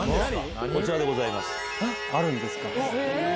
こちらでございます。